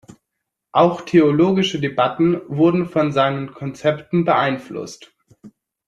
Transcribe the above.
Auch theologische Debatten wurden von seinen Konzepten beeinflusst.